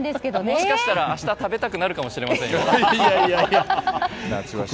もしかしたら明日食べたくなるかもしれませんよ。